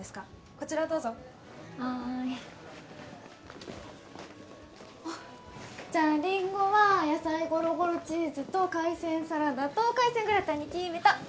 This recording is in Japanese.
こちらどうぞはーいじゃありんごは野菜ゴロゴロチーズと海鮮サラダと海鮮グラタンに決ーめた！